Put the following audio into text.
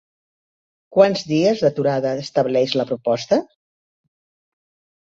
Quants dies d'aturada estableix la proposta?